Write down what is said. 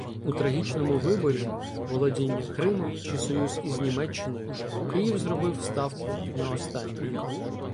У трагічному виборі: володіння Кримом чи союз із Німеччиною, — Київ зробив ставку на останнє.